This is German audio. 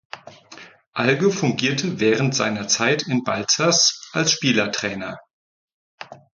Alge fungierte während seiner Zeit in Balzers als Spielertrainer.